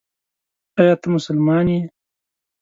ایا ته مسلمان یې ؟